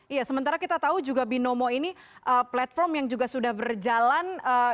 iya sementara kita tahu juga binomo ini platform yang juga sudah berjalan dua ribu empat belas